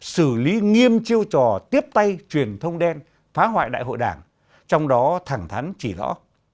xử lý nghiêm chiêu trò tiếp tay truyền thông đen phá hoại đại hội đảng trong đó thẳng thắn chỉ rõ